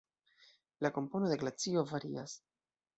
La kompono de glacio varias.